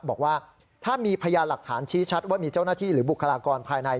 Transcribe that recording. บอกว่าถ้ามีพยานหลักฐานชี้ชัดว่ามีเจ้าหน้าที่หรือบุคลากรภายใน